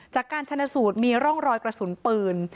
จากการชนะสูตรมีร่องรอยกระสุนปืน